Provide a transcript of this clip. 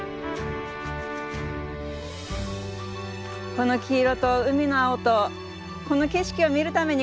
この黄色と海の青とこの景色を見るためにここに来る人